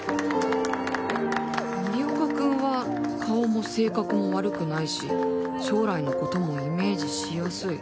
森岡君は、顔も性格も悪くないし将来のこともイメージしやすい。